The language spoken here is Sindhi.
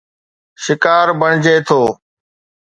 شڪار بڻجي ٿو